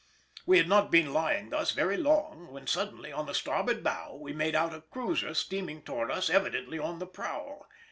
We had not been lying thus very long when suddenly on the starboard bow we made out a cruiser steaming towards us evidently on the prowl.